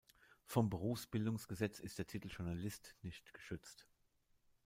Vom Berufsbildungsgesetz ist der Titel "Journalist" nicht geschützt.